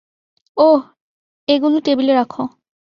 ওহ, এগুলো টেবিলে রাখো।